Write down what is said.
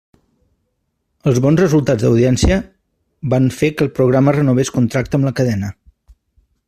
Els bons resultats d'audiència van fer que el programa renovés contracte amb la cadena.